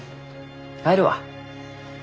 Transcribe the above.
帰るわ。